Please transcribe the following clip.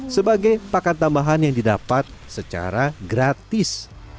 sebagai pakan tambahan yang didapat secara gratis